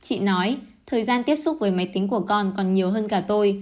chị nói thời gian tiếp xúc với máy tính của con còn nhiều hơn cả tôi